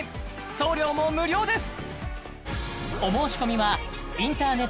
送料も無料です